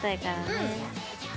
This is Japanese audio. うん。